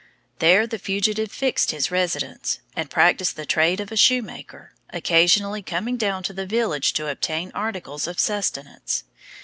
There the fugitive fixed his residence, and practised the trade of a shoemaker, occasionally coming down to the village to obtain articles of sustenance.